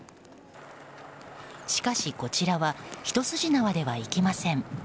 しかし、こちらは一筋縄ではいきません。